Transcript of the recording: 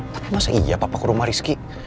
tapi masa iya papa ke rumah rizky